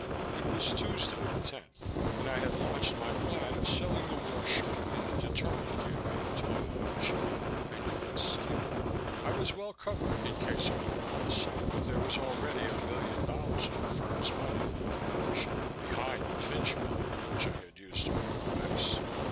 It was Tuesday, the 10th, and I had launched my plan of selling the war short in a determined campaign to unload G.M. and U.S. Steel. I was well covered in case of a rise, but there was already a million dollars of the firm's money in the operation, behind the Fynch million which I had used to break the ice.